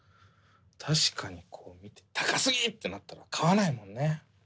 確かにこう見て「高すぎ！」となったら買わないもんね。